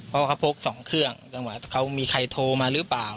เพราะเขาพกสองเครื่องจังหวะเขามีใครโทรมาหรือเปล่า